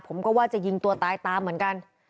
ผมก็ว่าจะยิงตัวตายตามเหมือนกัน